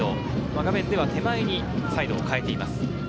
画面では手前にサイドを変えています。